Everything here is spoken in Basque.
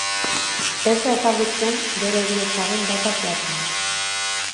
Ez da ezagutzen bere heriotzaren data zehatza.